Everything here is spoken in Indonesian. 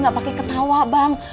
gak pake ketawa bang